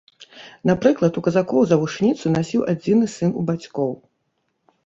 Напрыклад, у казакоў завушніцу насіў адзіны сын у бацькоў.